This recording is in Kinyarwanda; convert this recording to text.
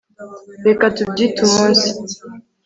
reka tubyite umunsi